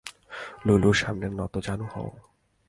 লুলুর সামনে নতজানু হও।